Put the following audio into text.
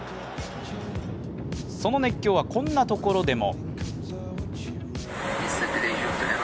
その熱狂は、こんなところでも。